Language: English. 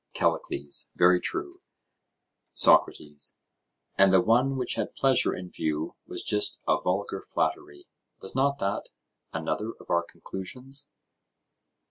CALLICLES: Very true. SOCRATES: And the one which had pleasure in view was just a vulgar flattery:—was not that another of our conclusions?